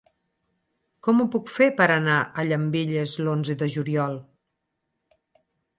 Com ho puc fer per anar a Llambilles l'onze de juliol?